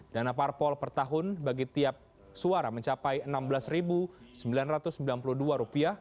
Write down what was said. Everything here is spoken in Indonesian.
dana parpol per tahun bagi tiap suara mencapai rp enam belas sembilan ratus sembilan puluh dua